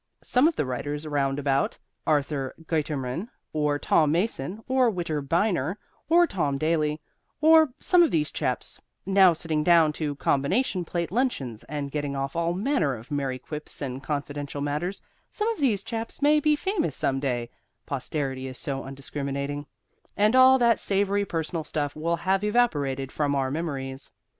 Some of the writers round about Arthur Guiterman or Tom Masson or Witter Bynner or Tom Daly, or some of these chaps now sitting down to combination plate luncheons and getting off all manner of merry quips and confidential matters some of these chaps may be famous some day (posterity is so undiscriminating) and all that savory personal stuff will have evaporated from our memories.